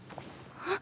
あっ。